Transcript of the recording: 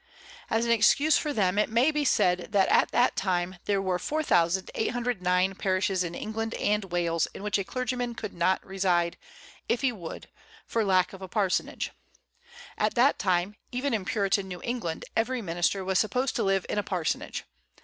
As an excuse for them, it may be said that at that time there were 4,809 parishes in England and Wales in which a clergyman could not reside, if he would, for lack of a parsonage. At that time, even in Puritan New England, every minister was supposed to live in a parsonage.